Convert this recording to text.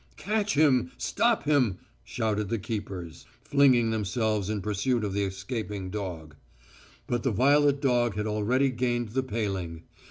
"Catch him! Stop him!" shouted the keepers, flinging themselves in pursuit of the escaping dog. But the violet dog had already gained the paling.